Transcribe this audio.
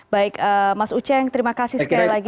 baik mas uceng terima kasih sekali lagi